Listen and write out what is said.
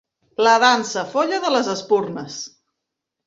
La dansa folla de les espurnes.